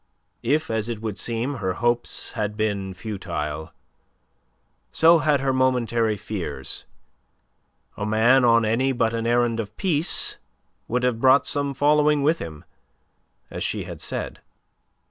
If, as it would seem, her hopes had been futile, so had her momentary fears. A man on any but an errand of peace would have brought some following with him, as she had said.